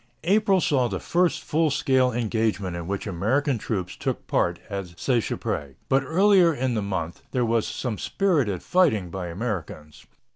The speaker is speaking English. April saw the first full scale engagement in which American troops took part at Seicheprey, but earlier in the month there was some spirited fighting by Americans.